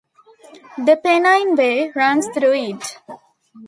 The Pennine Way runs through it.